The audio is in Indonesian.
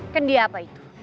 kendih apa itu